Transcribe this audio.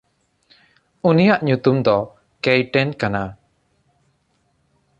ᱩᱱᱤᱭᱟᱜ ᱧᱩᱛᱩᱢ ᱫᱚ ᱠᱮᱭᱴᱮᱱ ᱠᱟᱱᱟ᱾